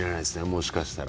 もしかしたら。